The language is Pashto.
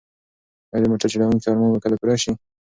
ایا د موټر چلونکي ارمان به کله پوره شي؟